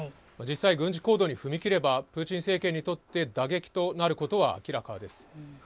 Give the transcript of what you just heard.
実際、軍事行動に踏み切ればプーチン政権にとって打撃となることは明らかです。